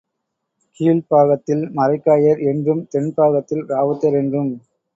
கீழ் பாகத்தில் மரைக்காயர் என்றும், தென்பாகத்தில் ராவுத்தர் என்றும்